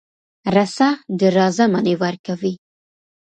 رڅه .د راځه معنی ورکوی